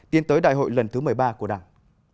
tiến tới đại hội lần thứ một mươi ba của đảng